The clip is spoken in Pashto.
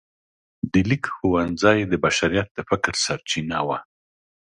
د لیک ښوونځی د بشریت د فکر سرچینه وه.